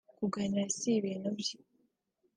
Kuganira si ibintu bye